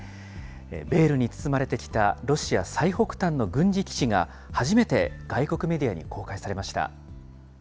ベールに包まれてきたロシア最北端の軍事基地が、初めて外国メディアに公開されました。